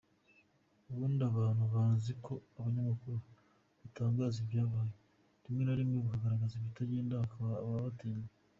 Ubundi abantu bazi ko abanyamakuru batangaza ibyabaye, rimwe na rimwe bakagaragaza ibitagenda hakaba ababatinya.